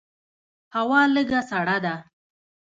هوا لږه سړه ده.